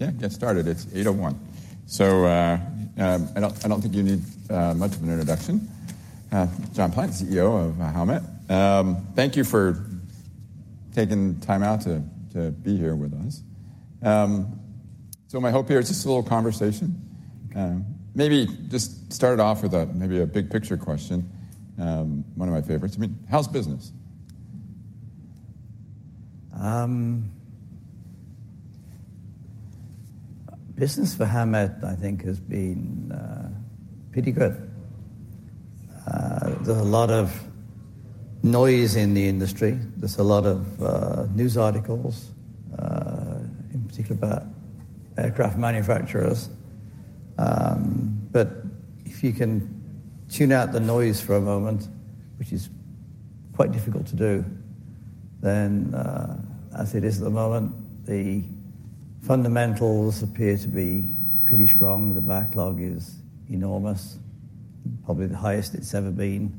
Yeah, get started. It's 8:01 A.M. So I don't think you need much of an introduction. John Plant, CEO of Howmet. Thank you for taking time out to be here with us. So my hope here is just a little conversation. Maybe just start it off with maybe a big picture question, one of my favorites. I mean, how's business? Business for Howmet, I think, has been pretty good. There's a lot of noise in the industry. There's a lot of news articles, in particular about aircraft manufacturers. But if you can tune out the noise for a moment, which is quite difficult to do, then as it is at the moment, the fundamentals appear to be pretty strong. The backlog is enormous, probably the highest it's ever been.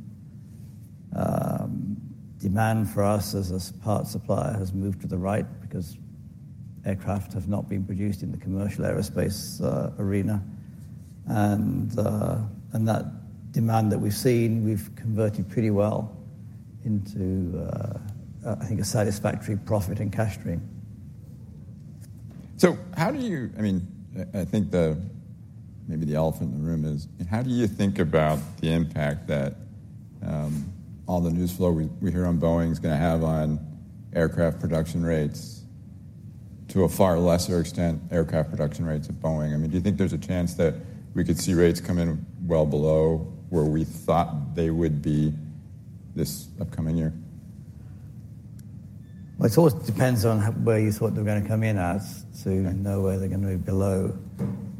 Demand for us as a part supplier has moved to the right because aircraft have not been produced in the commercial aerospace arena. And that demand that we've seen, we've converted pretty well into, I think, a satisfactory profit and cash stream. So, how do you, I mean, I think maybe the elephant in the room is how do you think about the impact that all the news flow we hear on Boeing is going to have on aircraft production rates, to a far lesser extent, aircraft production rates at Boeing? I mean, do you think there's a chance that we could see rates come in well below where we thought they would be this upcoming year? Well, it always depends on where you thought they were going to come in at to know where they're going to be below.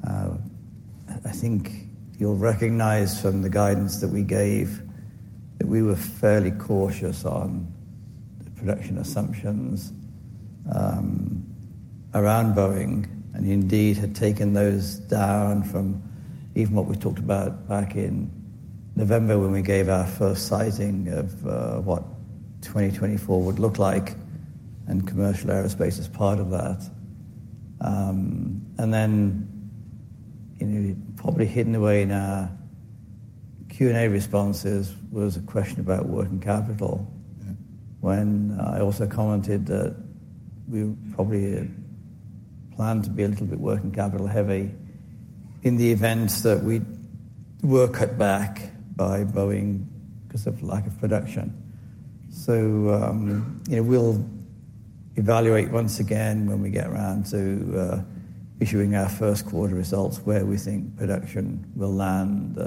I think you'll recognize from the guidance that we gave that we were fairly cautious on production assumptions around Boeing and indeed had taken those down from even what we talked about back in November when we gave our first sighting of what 2024 would look like and commercial aerospace as part of that. And then probably hidden away in our Q&A responses was a question about working capital, when I also commented that we probably plan to be a little bit working capital heavy in the event that we were cut back by Boeing because of lack of production. So we'll evaluate once again when we get around to issuing our first quarter results where we think production will land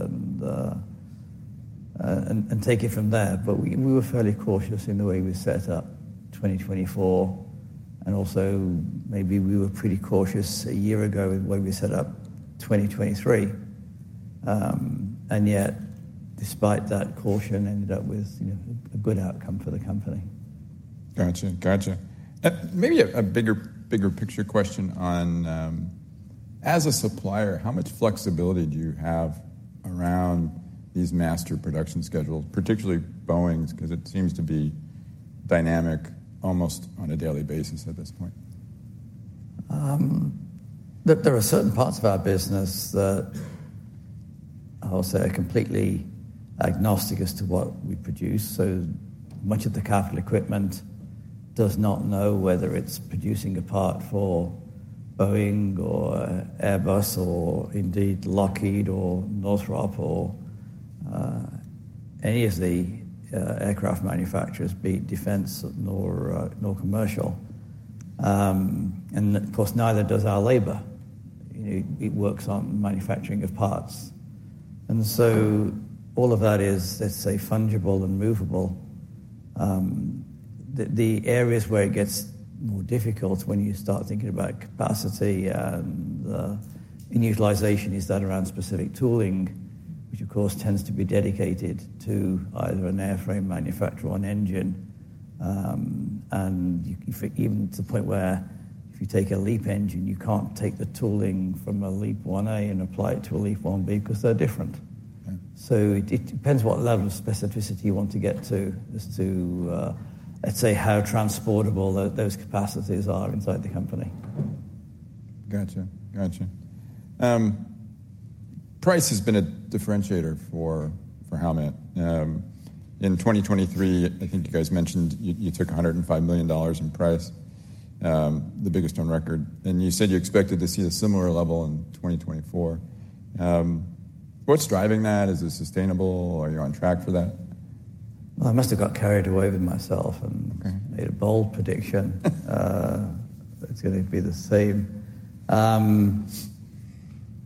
and take it from there. But we were fairly cautious in the way we set up 2024. And also maybe we were pretty cautious a year ago with the way we set up 2023. And yet, despite that caution, ended up with a good outcome for the company. Gotcha. Gotcha. Maybe a bigger picture question on, as a supplier, how much flexibility do you have around these master production schedules, particularly Boeing's, because it seems to be dynamic almost on a daily basis at this point? There are certain parts of our business that I will say are completely agnostic as to what we produce. So much of the capital equipment does not know whether it's producing a part for Boeing or Airbus or indeed Lockheed or Northrop or any of the aircraft manufacturers, be it defense nor commercial. And of course, neither does our labor. It works on manufacturing of parts. And so all of that is, let's say, fungible and movable. The areas where it gets more difficult when you start thinking about capacity and utilization is that around specific tooling, which of course tends to be dedicated to either an airframe manufacturer or an engine. And even to the point where if you take a LEAP engine, you can't take the tooling from a LEAP-1A and apply it to a LEAP-1B because they're different. So it depends what level of specificity you want to get to as to, let's say, how transportable those capacities are inside the company. Gotcha. Gotcha. Price has been a differentiator for Howmet. In 2023, I think you guys mentioned you took $105 million in price, the biggest on record. You said you expected to see a similar level in 2024. What's driving that? Is it sustainable? Are you on track for that? Well, I must have got carried away with myself and made a bold prediction. It's going to be the same.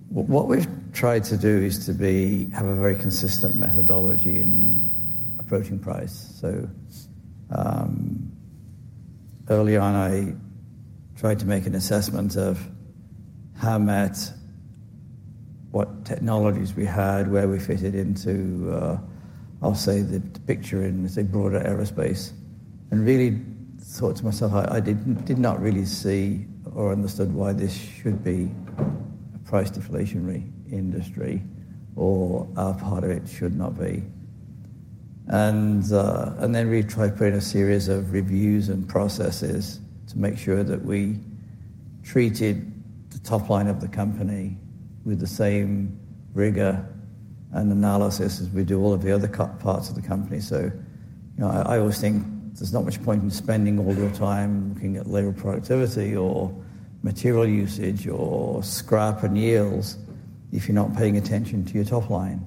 What we've tried to do is to have a very consistent methodology in approaching price. So early on, I tried to make an assessment of Howmet, what technologies we had, where we fit it into, I'll say, the picture in, let's say, broader aerospace. And really thought to myself, I did not really see or understood why this should be a price deflationary industry or a part of it should not be. And then we tried putting a series of reviews and processes to make sure that we treated the top line of the company with the same rigor and analysis as we do all of the other parts of the company. So I always think there's not much point in spending all your time looking at labor productivity or material usage or scrap and yields if you're not paying attention to your top line.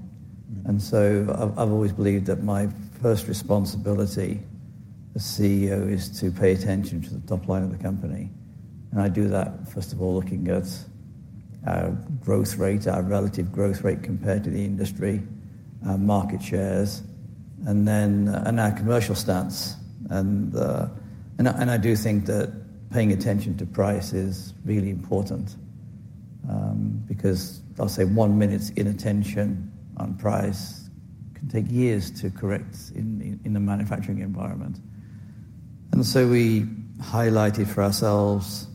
And so I've always believed that my first responsibility as CEO is to pay attention to the top line of the company. And I do that, first of all, looking at our growth rate, our relative growth rate compared to the industry, our market shares, and then our commercial stance. And I do think that paying attention to price is really important because, I'll say, one minute's inattention on price can take years to correct in the manufacturing environment. And so we highlighted for ourselves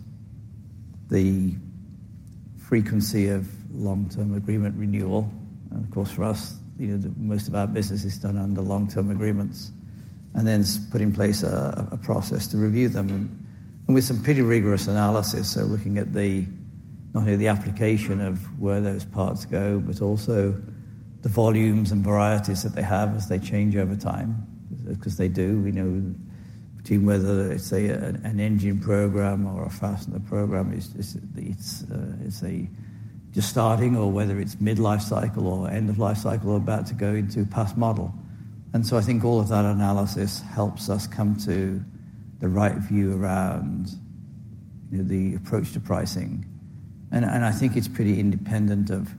the frequency of long-term agreement renewal. And of course, for us, most of our business is done under long-term agreements and then put in place a process to review them with some pretty rigorous analysis. So looking at not only the application of where those parts go but also the volumes and varieties that they have as they change over time because they do. We know between whether it's an engine program or a fastener program, it's just starting or whether it's mid-lifecycle or end-of-lifecycle or about to go into past model. And so I think all of that analysis helps us come to the right view around the approach to pricing. And I think it's pretty independent of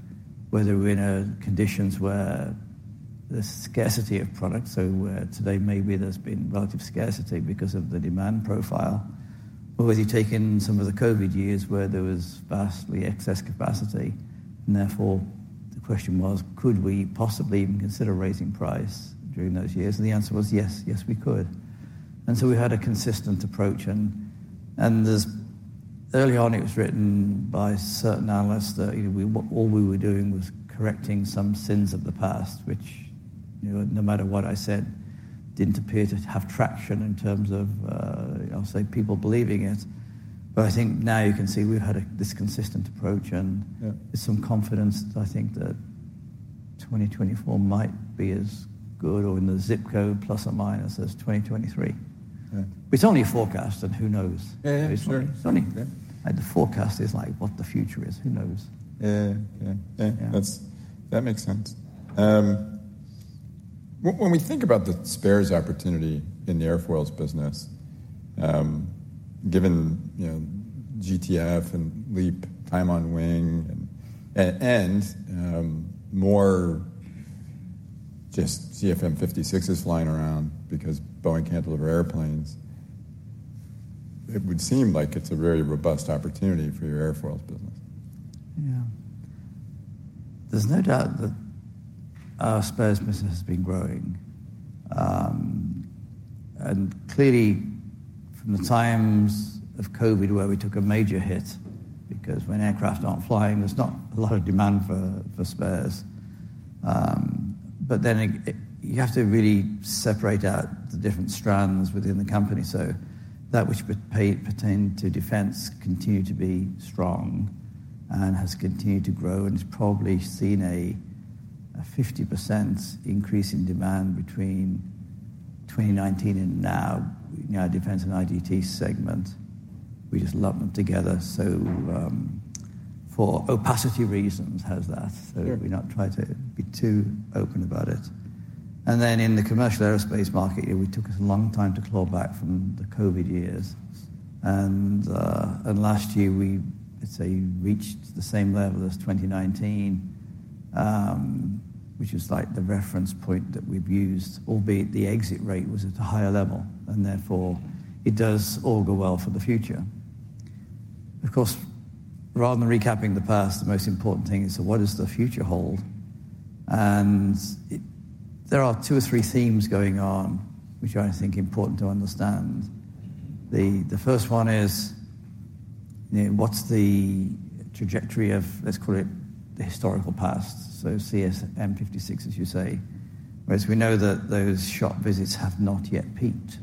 whether we're in conditions where there's scarcity of products. So today, maybe there's been relative scarcity because of the demand profile. Or have you taken some of the COVID years where there was vastly excess capacity? And therefore, the question was, could we possibly even consider raising price during those years? And the answer was, yes. Yes, we could. And so we had a consistent approach. And early on, it was written by certain analysts that all we were doing was correcting some sins of the past, which no matter what I said, didn't appear to have traction in terms of, I'll say, people believing it. But I think now you can see we've had this consistent approach. And there's some confidence, I think, that 2024 might be as good or in the zip code plus or minus as 2023. It's only forecast. And who knows? It's only the forecast is like what the future is. Who knows? Yeah. Yeah. Yeah. That makes sense. When we think about the spares opportunity in the airfoils business, given GTF and LEAP, time on wing, and more just CFM56s flying around because Boeing can't deliver airplanes, it would seem like it's a very robust opportunity for your airfoils business. Yeah. There's no doubt that our spares business has been growing. And clearly, from the times of COVID where we took a major hit because when aircraft aren't flying, there's not a lot of demand for spares. But then you have to really separate out the different strands within the company. So that which pertained to defense continued to be strong and has continued to grow and has probably seen a 50% increase in demand between 2019 and now in our defense and IGT segment. We just lump them together for opacity reasons, has that. So we're not trying to be too open about it. And then in the commercial aerospace market, it took us a long time to claw back from the COVID years. And last year, let's say, we reached the same level as 2019, which was like the reference point that we've used, albeit the exit rate was at a higher level. And therefore, it does all go well for the future. Of course, rather than recapping the past, the most important thing is, so what does the future hold? And there are two or three themes going on which I think are important to understand. The first one is, what's the trajectory of, let's call it, the historical past, so CFM56, as you say, whereas we know that those shop visits have not yet peaked.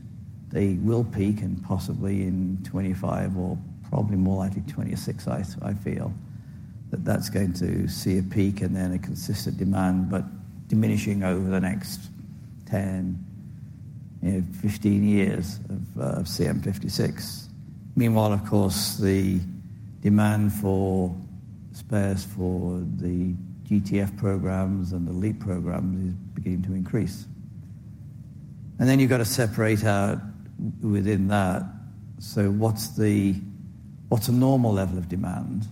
They will peak and possibly in 2025 or probably more likely 2026, I feel, that that's going to see a peak and then a consistent demand but diminishing over the next 10-15 years of CFM56. Meanwhile, of course, the demand for spares for the GTF programs and the LEAP programs is beginning to increase. And then you've got to separate out within that, so what's a normal level of demand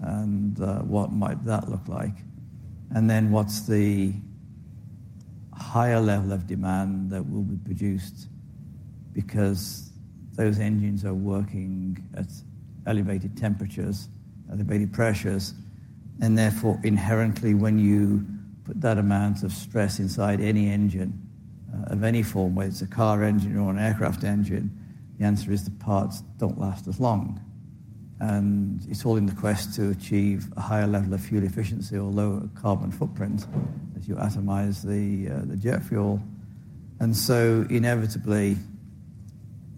and what might that look like? And then what's the higher level of demand that will be produced because those engines are working at elevated temperatures, elevated pressures? And therefore, inherently, when you put that amount of stress inside any engine of any form, whether it's a car engine or an aircraft engine, the answer is the parts don't last as long. And it's all in the quest to achieve a higher level of fuel efficiency or lower carbon footprint as you atomize the jet fuel. And so inevitably,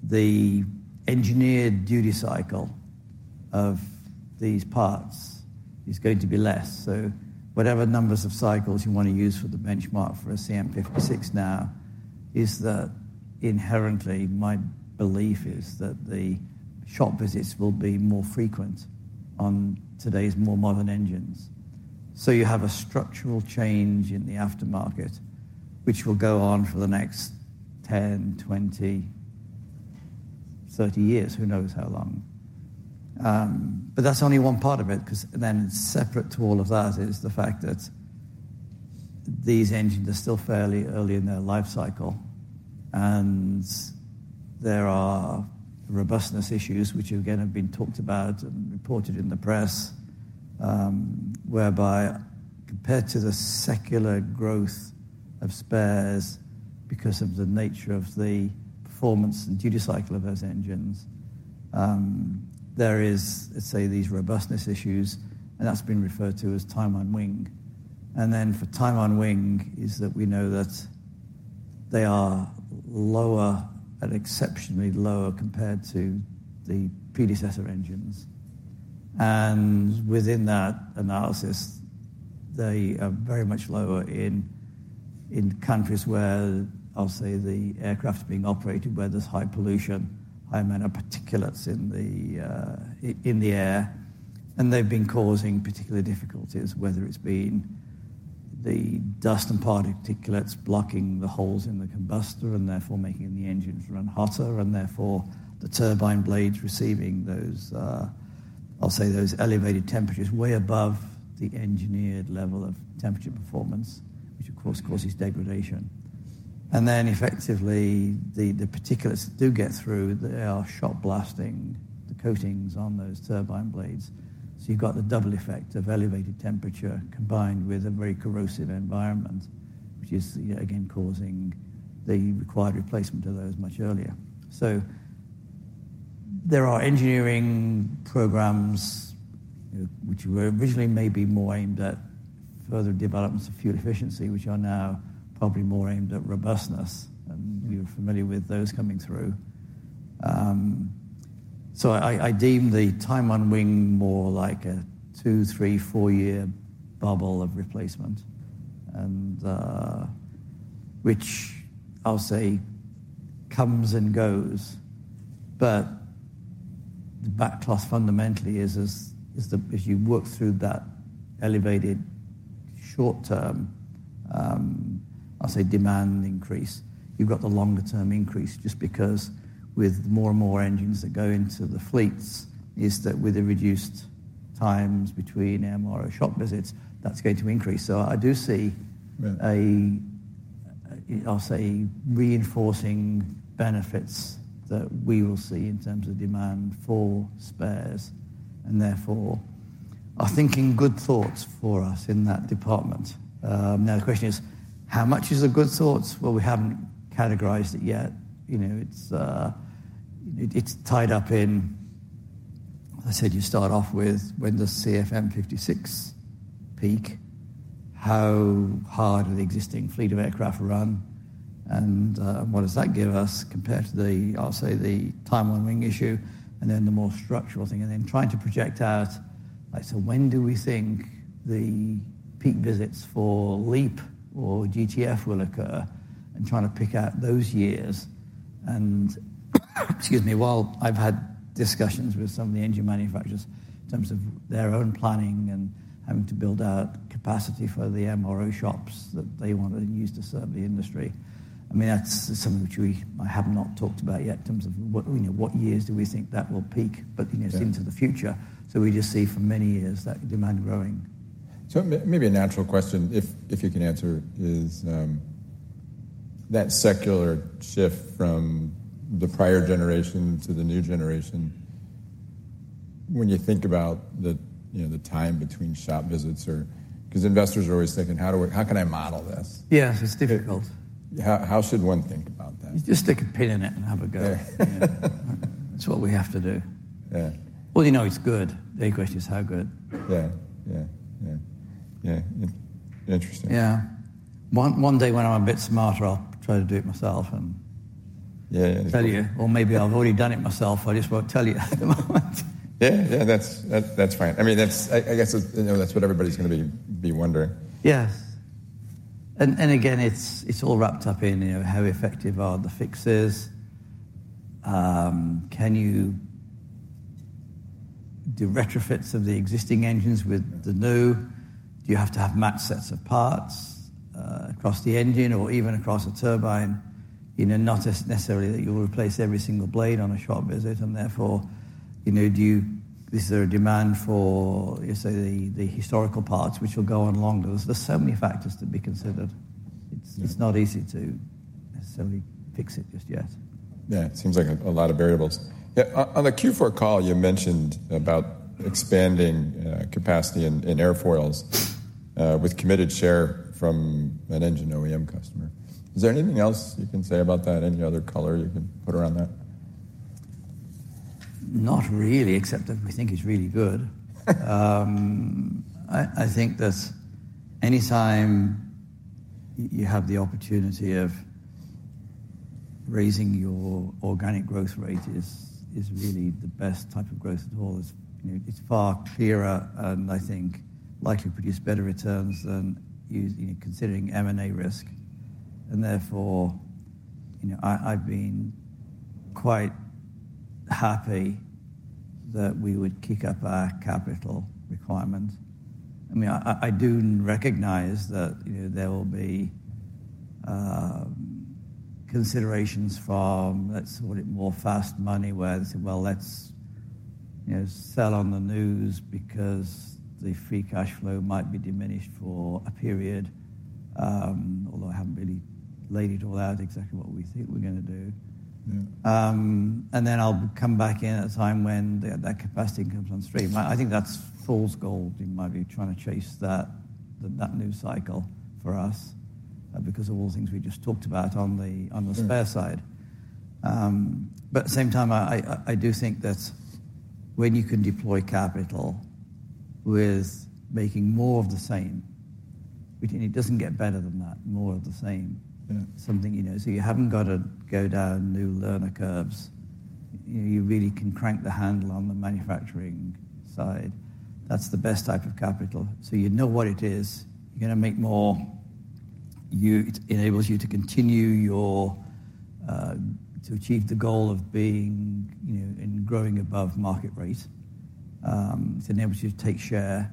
the engineered duty cycle of these parts is going to be less. So whatever numbers of cycles you want to use for the benchmark for a CFM56 now is that inherently, my belief is that the shop visits will be more frequent on today's more modern engines. So you have a structural change in the aftermarket which will go on for the next 10, 20, 30 years. Who knows how long? But that's only one part of it because then separate to all of that is the fact that these engines are still fairly early in their lifecycle. And there are robustness issues which, again, have been talked about and reported in the press whereby compared to the secular growth of spares because of the nature of the performance and duty cycle of those engines, there is, let's say, these robustness issues. And that's been referred to as time on wing. Then for time on wing, that is, we know that they are lower and exceptionally lower compared to the predecessor engines. Within that analysis, they are very much lower in countries where, I'll say, the aircraft are being operated where there's high pollution, high amount of particulates in the air. They've been causing particular difficulties, whether it's been the dust and particulates blocking the holes in the combustor and therefore making the engines run hotter and therefore the turbine blades receiving those, I'll say, those elevated temperatures way above the engineered level of temperature performance, which of course causes degradation. Then effectively, the particulates that do get through, they are shot blasting the coatings on those turbine blades. So you've got the double effect of elevated temperature combined with a very corrosive environment which is, again, causing the required replacement of those much earlier. So there are engineering programs which were originally maybe more aimed at further developments of fuel efficiency which are now probably more aimed at robustness. And you're familiar with those coming through. So I deem the time on wing more like a two, three, four-year bubble of replacement which, I'll say, comes and goes. But the backlog fundamentally is as you work through that elevated short-term, I'll say, demand increase, you've got the longer-term increase just because with more and more engines that go into the fleets is that with the reduced times between air and motor shop visits, that's going to increase. So I do see, I'll say, reinforcing benefits that we will see in terms of demand for spares. And therefore, I think in good thoughts for us in that department. Now the question is, how much is the good thoughts? Well, we haven't categorized it yet. It's tied up in, as I said, you start off with when does CFM56 peak? How hard are the existing fleet of aircraft run? And what does that give us compared to the, I'll say, the time on wing issue and then the more structural thing? And then trying to project out, so when do we think the peak visits for LEAP or GTF will occur and trying to pick out those years? And excuse me, while I've had discussions with some of the engine manufacturers in terms of their own planning and having to build out capacity for the MRO shops that they want to use to serve the industry, I mean, that's something which I have not talked about yet in terms of what years do we think that will peak but into the future? So we just see for many years that demand growing. So maybe a natural question, if you can answer, is that secular shift from the prior generation to the new generation when you think about the time between shop visits or because investors are always thinking, how can I model this? Yes. It's difficult. How should one think about that? You just stick a pin in it and have a go. That's what we have to do. Well, you know it's good. The only question is how good? Yeah. Yeah. Yeah. Yeah. Interesting. Yeah. One day when I'm a bit smarter, I'll try to do it myself and tell you. Or maybe I've already done it myself. I just won't tell you at the moment. Yeah. Yeah. That's fine. I mean, I guess that's what everybody's going to be wondering. Yes. And again, it's all wrapped up in how effective are the fixes? Can you do retrofits of the existing engines with the new? Do you have to have match sets of parts across the engine or even across a turbine? Not necessarily that you'll replace every single blade on a shop visit. And therefore, is there a demand for, say, the historical parts which will go on longer? There's so many factors to be considered. It's not easy to necessarily fix it just yet. Yeah. It seems like a lot of variables. On the Q4 call, you mentioned about expanding capacity in airfoils with committed share from an engine OEM customer. Is there anything else you can say about that? Any other color you can put around that? Not really except that we think it's really good. I think that anytime you have the opportunity of raising your organic growth rate is really the best type of growth at all. It's far clearer and I think likely produced better returns than considering M&A risk. And therefore, I've been quite happy that we would kick up our capital requirements. I mean, I do recognize that there will be considerations from, let's call it, more fast money where they say, well, let's sell on the news because the free cash flow might be diminished for a period, although I haven't really laid it all out exactly what we think we're going to do. And then I'll come back in at a time when that capacity comes on stream. I think that's fool's gold in my view, trying to chase that new cycle for us because of all the things we just talked about on the spare side. But at the same time, I do think that when you can deploy capital with making more of the same, which it doesn't get better than that, more of the same, something so you haven't got to go down new learning curves. You really can crank the handle on the manufacturing side. That's the best type of capital. So you know what it is. You're going to make more. It enables you to continue to achieve the goal of being in growing above market rate. It enables you to take share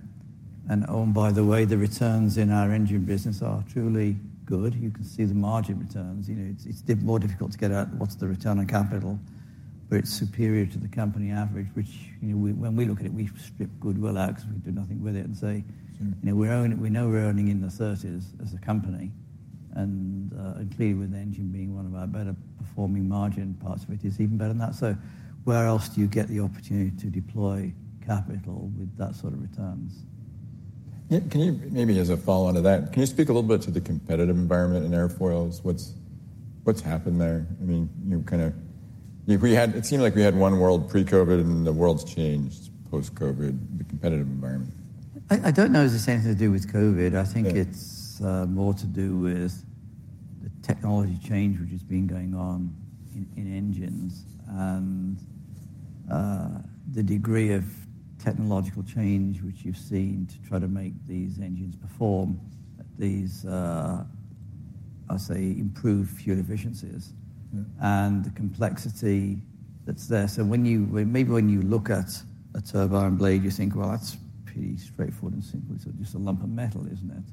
and own, by the way, the returns in our engine business are truly good. You can see the margin returns. It's more difficult to get out what's the return on capital, but it's superior to the company average, which, when we look at it, we strip goodwill out because we can do nothing with it and say we know we're earning in the 30s as a company. And clearly, with the engine being one of our better performing margin, parts of it is even better than that. So where else do you get the opportunity to deploy capital with that sort of returns? Maybe as a follow-up to that, can you speak a little bit to the competitive environment in airfoils? What's happened there? I mean, kind of it seemed like we had one world pre-COVID and the world's changed post-COVID, the competitive environment. I don't know if it's anything to do with COVID. I think it's more to do with the technology change which has been going on in engines and the degree of technological change which you've seen to try to make these engines perform, these, I'll say, improved fuel efficiencies and the complexity that's there. So maybe when you look at a turbine blade, you think, well, that's pretty straightforward and simple. It's just a lump of metal, isn't it?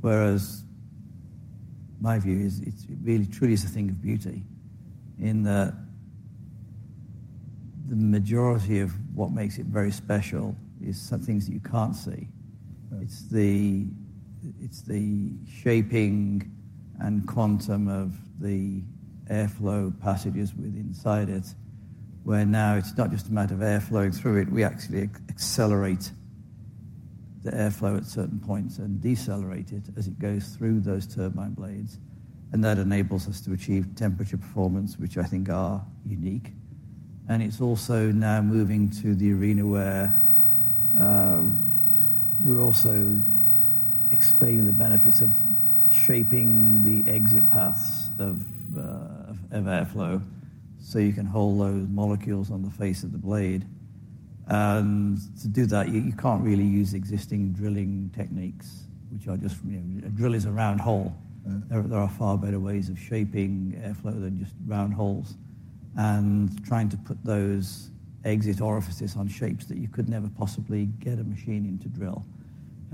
Whereas my view is it really truly is a thing of beauty in that the majority of what makes it very special is things that you can't see. It's the shaping and quantum of the airflow passages with inside it where now it's not just a matter of air flowing through it. We actually accelerate the airflow at certain points and decelerate it as it goes through those turbine blades. That enables us to achieve temperature performance which I think are unique. It's also now moving to the arena where we're also explaining the benefits of shaping the exit paths of airflow so you can hold those molecules on the face of the blade. To do that, you can't really use existing drilling techniques which are just a drill is a round hole. There are far better ways of shaping airflow than just round holes and trying to put those exit orifices on shapes that you could never possibly get a machine in to drill.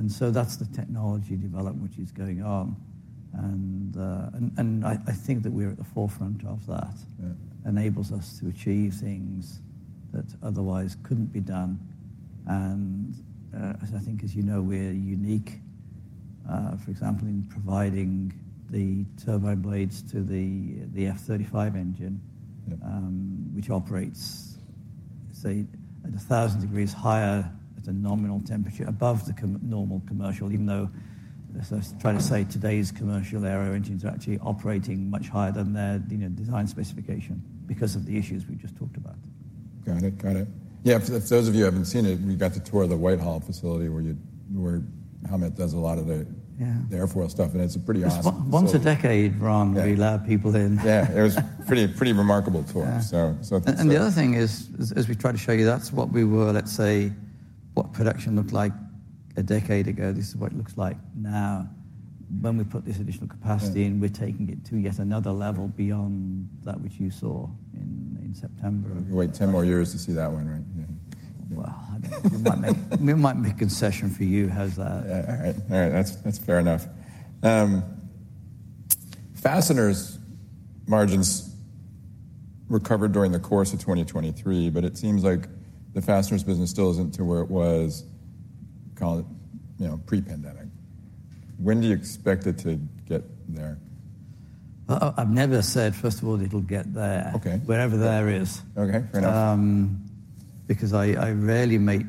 So that's the technology development which is going on. I think that we're at the forefront of that. Enables us to achieve things that otherwise couldn't be done. I think, as you know, we're unique, for example, in providing the turbine blades to the F-35 engine which operates, say, at 1,000 degrees higher at a nominal temperature above the normal commercial, even though, as I try to say, today's commercial aero engines are actually operating much higher than their design specification because of the issues we've just talked about. Got it. Got it. Yeah. If those of you haven't seen it, we got to tour the Whitehall facility where Howmet does a lot of the airfoil stuff. It's a pretty awesome tour. Once a decade, Ron, we allow people in. Yeah. It was a pretty remarkable tour. The other thing is, as we tried to show you, that's what we were, let's say, what production looked like a decade ago. This is what it looks like now. When we put this additional capacity in, we're taking it to yet another level beyond that which you saw in September. We'll wait 10 more years to see that one, right? Well, we might make concession for you. How's that? All right. All right. That's fair enough. Fasteners margins recovered during the course of 2023, but it seems like the fasteners business still isn't to where it was pre-pandemic. When do you expect it to get there? I've never said, first of all, it'll get there, wherever there is. Okay. Fair enough. Because I rarely make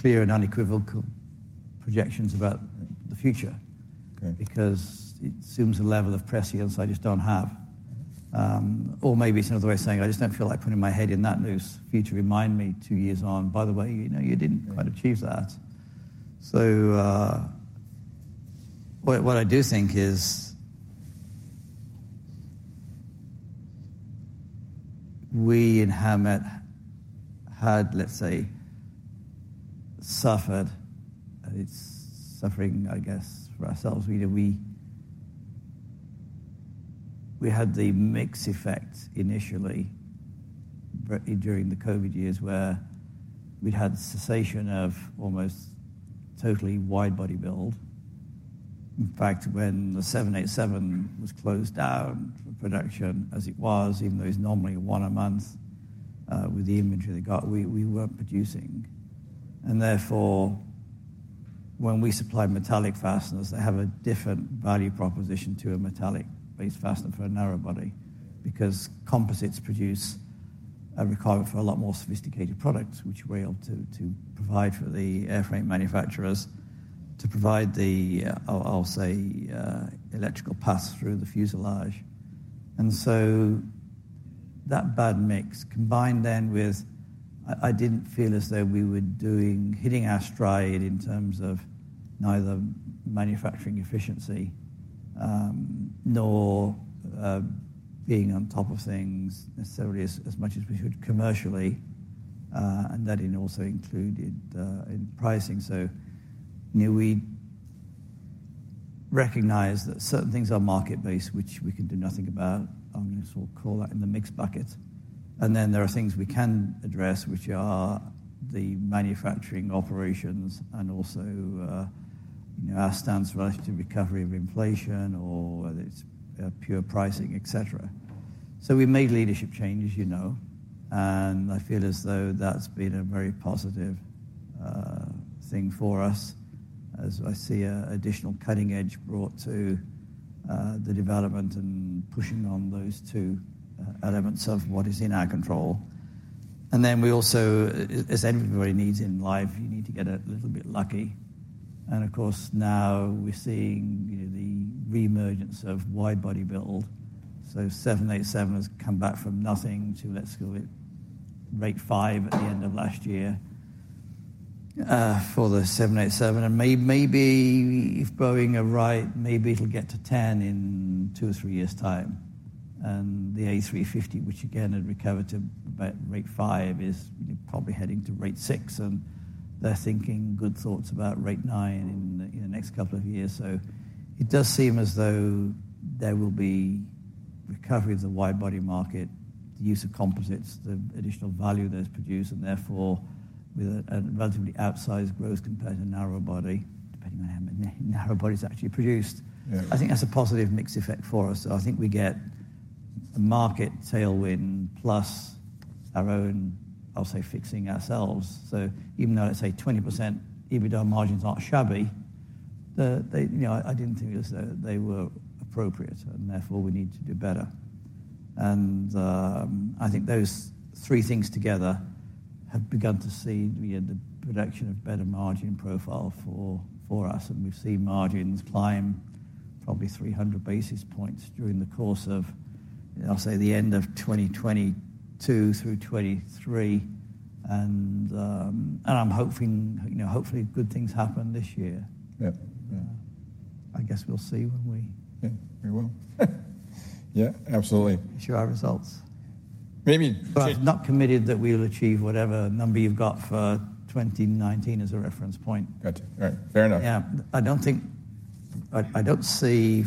clear and unequivocal projections about the future because it assumes a level of prescience I just don't have. Or maybe it's another way of saying, I just don't feel like putting my head in that noose. Future, remind me two years on, by the way, you didn't quite achieve that. So what I do think is we in Howmet had, let's say, suffered and it's suffering, I guess, for ourselves. We had the mix effect initially during the COVID years where we'd had cessation of almost totally wide body build. In fact, when the 787 was closed down for production as it was, even though it's normally one a month with the inventory they got, we weren't producing. Therefore, when we supply metallic fasteners, they have a different value proposition to a metallic-based fastener for a narrow body because composites produce a requirement for a lot more sophisticated products which we're able to provide for the airframe manufacturers to provide the, I'll say, electrical paths through the fuselage. And so that bad mix combined then with I didn't feel as though we were hitting our stride in terms of neither manufacturing efficiency nor being on top of things necessarily as much as we should commercially. And that also included in pricing. So we recognize that certain things are market-based which we can do nothing about. I'm going to sort of call that in the mixed bucket. And then there are things we can address which are the manufacturing operations and also our stance relative to recovery of inflation or whether it's pure pricing, etc. We made leadership changes, you know. I feel as though that's been a very positive thing for us as I see additional cutting edge brought to the development and pushing on those two elements of what is in our control. Then we also, as everybody needs in life, you need to get a little bit lucky. Of course, now we're seeing the reemergence of wide body build. 787 has come back from nothing to, let's call it, rate 5% at the end of last year for the 787. Maybe if Boeing are right, maybe it'll get to 10 in two or three years' time. The A350, which again had recovered to rate 5, is probably heading to rate 6. They're thinking good thoughts about rate 9 in the next couple of years. So it does seem as though there will be recovery of the wide body market, the use of composites, the additional value that's produced. And therefore, with a relatively outsized growth compared to narrow body, depending on how many narrow bodies actually produced, I think that's a positive mix effect for us. So I think we get a market tailwind plus our own, I'll say, fixing ourselves. So even though, let's say, 20% EBITDA margins aren't shabby, I didn't think they were appropriate. And therefore, we need to do better. And I think those three things together have begun to see the production of better margin profile for us. And we've seen margins climb probably 300 basis points during the course of, I'll say, the end of 2022 through 2023. And I'm hopefully good things happen this year. I guess we'll see when we. Yeah. Very well. Yeah. Absolutely. Sure. Our results. Maybe. I'm not committed that we'll achieve whatever number you've got for 2019 as a reference point. Gotcha. All right. Fair enough. Yeah. I don't see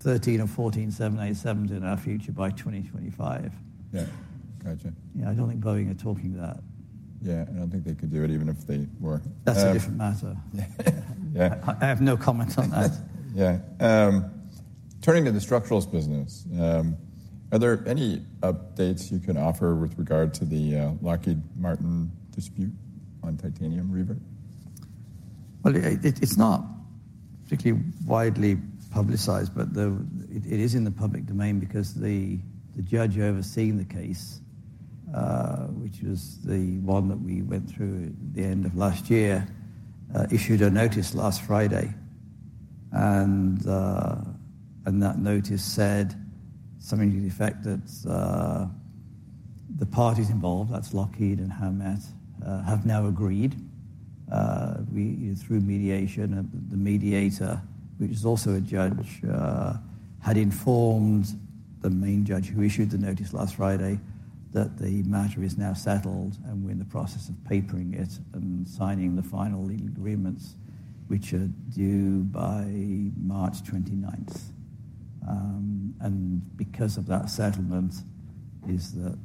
13 or 14 787s in our future by 2025. Yeah. I don't think Boeing are talking that. Yeah. I don't think they could do it even if they were. That's a different matter. I have no comment on that. Yeah. Turning to the structurals business, are there any updates you can offer with regard to the Lockheed Martin dispute on titanium revert? Well, it's not particularly widely publicized, but it is in the public domain because the judge overseeing the case, which was the one that we went through at the end of last year, issued a notice last Friday. And that notice said something to the effect that the parties involved, that's Lockheed and Howmet, have now agreed through mediation. The mediator, which is also a judge, had informed the main judge who issued the notice last Friday that the matter is now settled. And we're in the process of papering it and signing the final legal agreements which are due by March 29th. And because of that settlement is that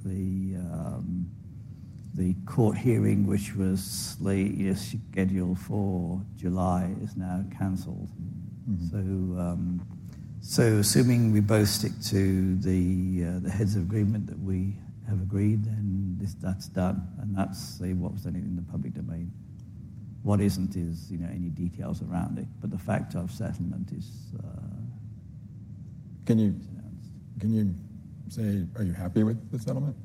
the court hearing which was scheduled for July is now cancelled. So assuming we both stick to the heads of agreement that we have agreed, then that's done. And that's, say, what was done in the public domain. What isn't is any details around it. But the fact of settlement is. Can you say are you happy with the settlement?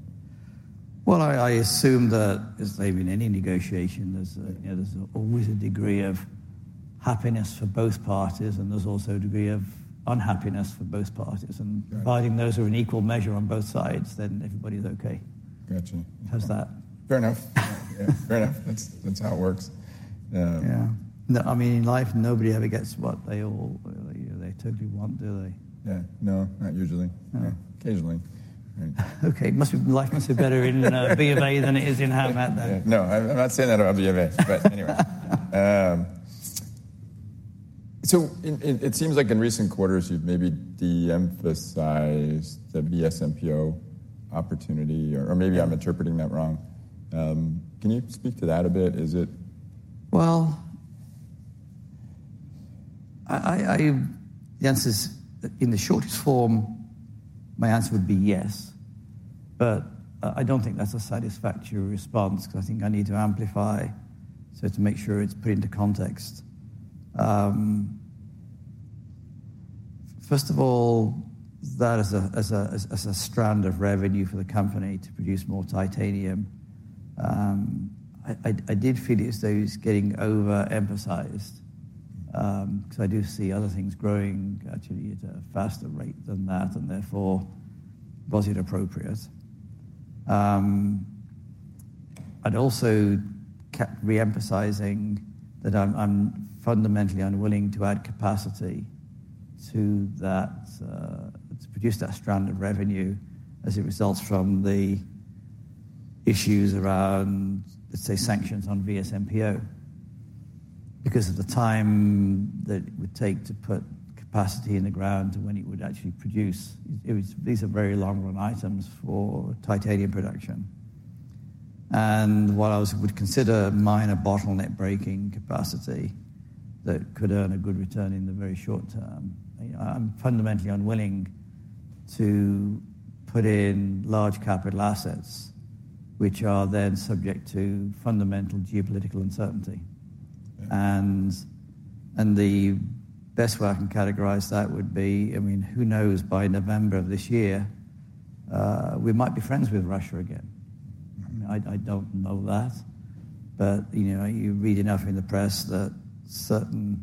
Well, I assume that, as maybe in any negotiation, there's always a degree of happiness for both parties. There's also a degree of unhappiness for both parties. Providing those are in equal measure on both sides, then everybody's okay. How's that? Fair enough. Yeah. Fair enough. That's how it works. Yeah. I mean, in life, nobody ever gets what they totally want, do they? Yeah. No. Not usually. Occasionally. Okay. Life must be better in BMA than it is in Howmet, then. No. I'm not saying that about BMA, but anyway. So it seems like in recent quarters, you've maybe de-emphasized the VSMPO opportunity. Or maybe I'm interpreting that wrong. Can you speak to that a bit? Is it? Well, the answer is, in the shortest form, my answer would be yes. But I don't think that's a satisfactory response because I think I need to amplify so to make sure it's put into context. First of all, that is a strand of revenue for the company to produce more titanium. I did feel it was getting over-emphasized because I do see other things growing actually at a faster rate than that and therefore wasn't appropriate. I'd also kept re-emphasizing that I'm fundamentally unwilling to add capacity to produce that strand of revenue as a result from the issues around, let's say, sanctions on VSMPO because of the time that it would take to put capacity in the ground and when it would actually produce. These are very long-run items for titanium production. And while I would consider minor bottleneck-breaking capacity that could earn a good return in the very short term, I'm fundamentally unwilling to put in large-capital assets which are then subject to fundamental geopolitical uncertainty. And the best way I can categorize that would be, I mean, who knows, by November of this year, we might be friends with Russia again. I don't know that. But you read enough in the press that certain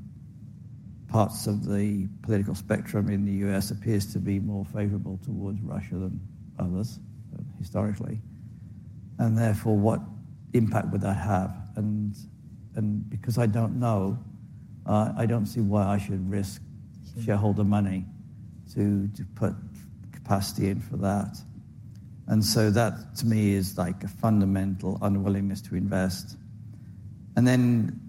parts of the political spectrum in the U.S. appears to be more favorable towards Russia than others historically. And therefore, what impact would that have? And because I don't know, I don't see why I should risk shareholder money to put capacity in for that. And so that, to me, is a fundamental unwillingness to invest. And then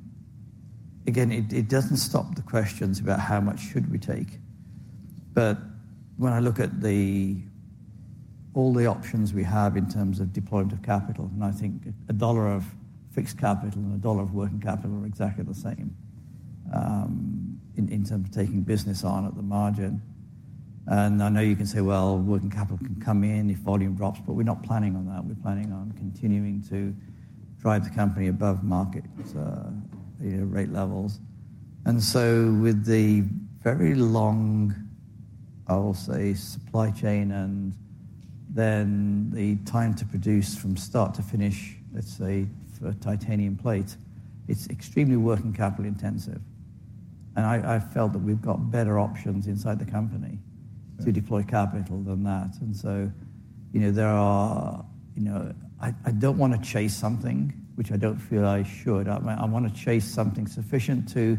again, it doesn't stop the questions about how much should we take. But when I look at all the options we have in terms of deployment of capital, and I think a dollar of fixed capital and a dollar of working capital are exactly the same in terms of taking business on at the margin. And I know you can say, well, working capital can come in if volume drops. But we're not planning on that. We're planning on continuing to drive the company above market rate levels. And so with the very long, I will say, supply chain and then the time to produce from start to finish, let's say, for a titanium plate, it's extremely working capital intensive. And I've felt that we've got better options inside the company to deploy capital than that. And so there are I don't want to chase something which I don't feel I should. I want to chase something sufficient to,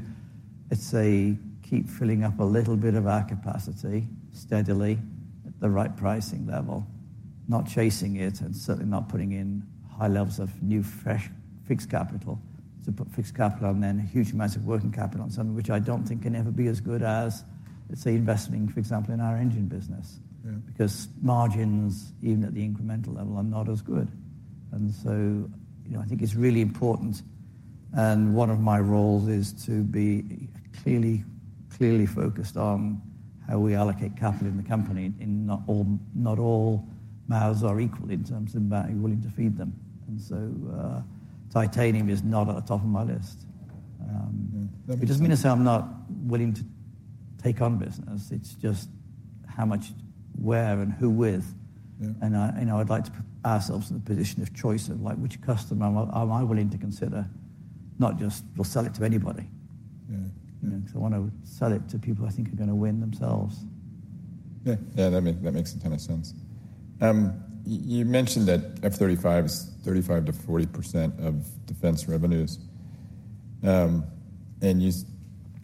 let's say, keep filling up a little bit of our capacity steadily at the right pricing level, not chasing it and certainly not putting in high levels of new fresh fixed capital to put fixed capital and then a huge amount of working capital on something which I don't think can ever be as good as, let's say, investing, for example, in our engine business because margins, even at the incremental level, are not as good. So I think it's really important. One of my roles is to be clearly focused on how we allocate capital in the company. Not all mouths are equal in terms of being willing to feed them. So titanium is not at the top of my list. It doesn't mean to say I'm not willing to take on business. It's just how much, where, and who with. I'd like to put ourselves in the position of choice of which customer am I willing to consider, not just we'll sell it to anybody. I want to sell it to people I think are going to win themselves. Yeah. That makes a ton of sense. You mentioned that F-35 is 35%-40% of defense revenues. And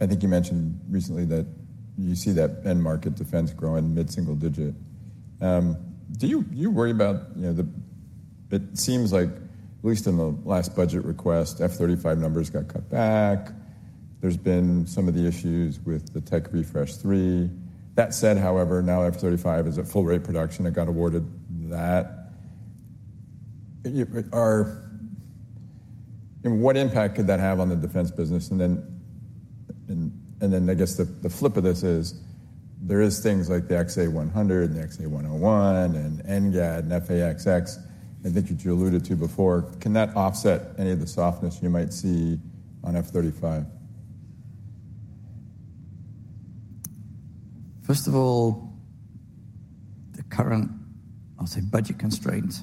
I think you mentioned recently that you see that end-market defense growing mid-single digit. Do you worry about the it seems like, at least in the last budget request, F-35 numbers got cut back. There's been some of the issues with the Tech Refresh 3. That said, however, now F-35 is at full-rate production. It got awarded that. What impact could that have on the defense business? And then I guess the flip of this is there is things like the XA100 and the XA101 and NGAD and F/A-XX I think you alluded to before. Can that offset any of the softness you might see on F-35? First of all, the current, I'll say, budget constraints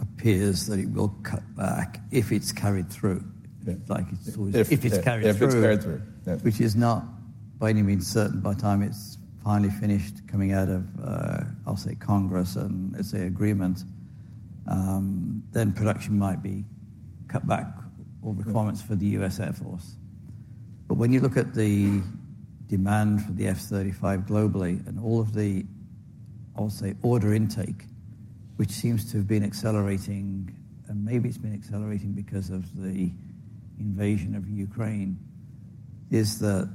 appears that it will cut back if it's carried through. If it's carried through, which is not by any means certain by the time it's finally finished coming out of, I'll say, Congress and, let's say, agreement, then production might be cut back or requirements for the U.S. Air Force. But when you look at the demand for the F-35 globally and all of the, I'll say, order intake, which seems to have been accelerating - and maybe it's been accelerating because of the invasion of Ukraine - is that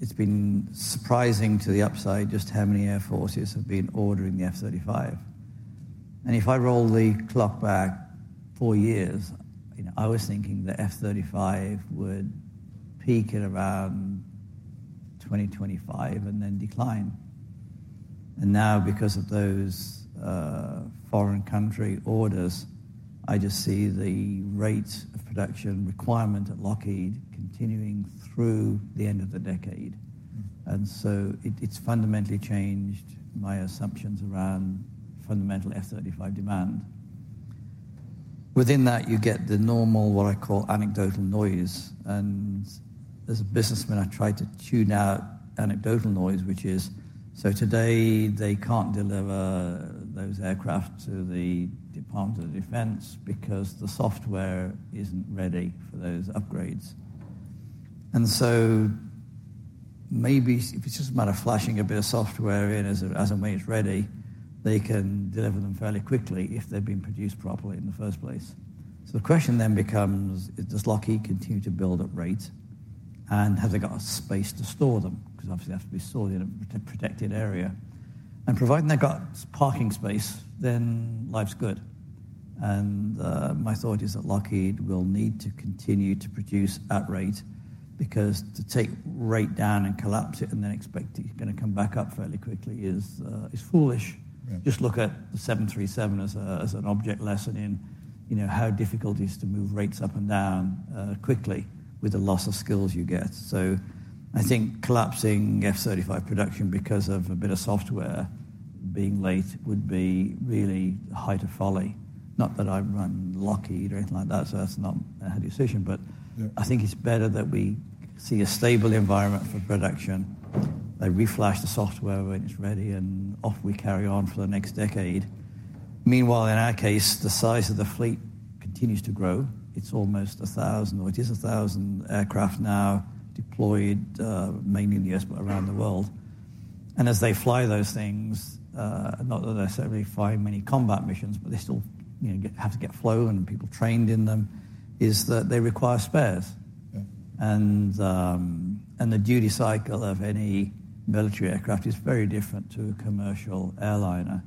it's been surprising to the upside just how many air forces have been ordering the F-35. And if I roll the clock back four years, I was thinking the F-35 would peak at around 2025 and then decline. And now, because of those foreign country orders, I just see the rate of production requirement at Lockheed continuing through the end of the decade. And so it's fundamentally changed my assumptions around fundamental F-35 demand. Within that, you get the normal what I call anecdotal noise. And as a businessman, I try to tune out anecdotal noise, which is, so today, they can't deliver those aircraft to the Department of Defense because the software isn't ready for those upgrades. And so maybe if it's just a matter of flashing a bit of software in as a way it's ready, they can deliver them fairly quickly if they've been produced properly in the first place. So the question then becomes, does Lockheed continue to build at rate? And have they got space to store them? Because obviously, they have to be stored in a protected area. Providing they've got parking space, then life's good. My thought is that Lockheed will need to continue to produce at rate because to take rate down and collapse it and then expect it's going to come back up fairly quickly is foolish. Just look at the 737 as an object lesson in how difficult it is to move rates up and down quickly with the loss of skills you get. I think collapsing F-35 production because of a bit of software being late would be really the height of folly. Not that I run Lockheed or anything like that. That's not a heady decision. I think it's better that we see a stable environment for production. They reflash the software when it's ready, and off we carry on for the next decade. Meanwhile, in our case, the size of the fleet continues to grow. It's almost 1,000 or it is 1,000 aircraft now deployed mainly in the U.S. but around the world. As they fly those things - not that they necessarily fly many combat missions, but they still have to get flown and people trained in them - is that they require spares. The duty cycle of any military aircraft is very different to a commercial airliner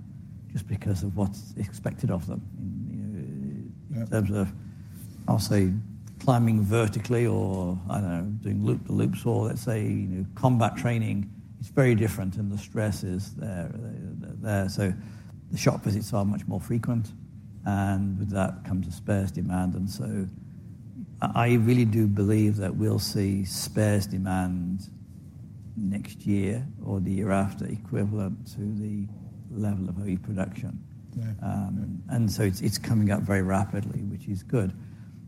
just because of what's expected of them in terms of, I'll say, climbing vertically or, I don't know, doing loop-to-loops or, let's say, combat training. It's very different, and the stress is there. The shop visits are much more frequent. With that comes a spares demand. I really do believe that we'll see spares demand next year or the year after equivalent to the level of OE production. It's coming up very rapidly, which is good.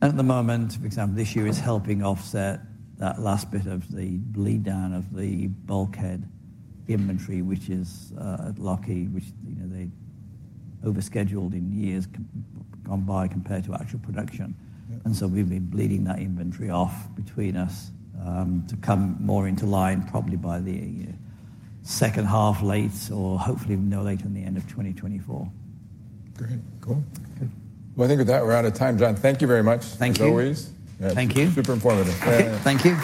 At the moment, for example, this year is helping offset that last bit of the bleed down of the bulkhead inventory which is at Lockheed, which they overscheduled in years gone by compared to actual production. So we've been bleeding that inventory off between us to come more into line probably by the second half late or hopefully no later than the end of 2024. Great. Cool. Well, I think with that, we're out of time, John. Thank you very much, as always. Thank you. Super informative. Thank you.